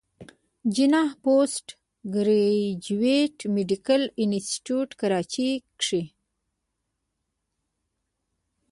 جناح پوسټ ګريجويټ ميډيکل انسټيتيوټ کراچۍ کښې